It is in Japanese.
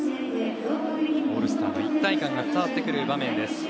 オールスターの一体感が伝わってくる場面です。